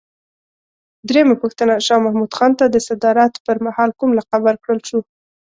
درېمه پوښتنه: شاه محمود خان ته د صدارت پر مهال کوم لقب ورکړل شو؟